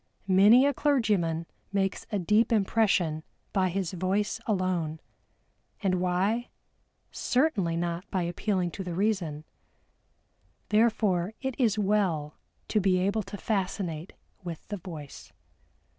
Many a clergyman makes a deep impression by his voice alone. And why? Certainly not by appealing to the reason. Therefore it is well to be able to fascinate with the voice.